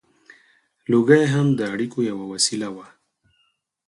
• لوګی هم د اړیکو یوه وسیله وه.